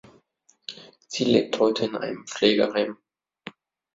Sie lebt heute in einem Pflegeheim.